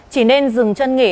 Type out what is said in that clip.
chỉ nên dừng chân nghỉ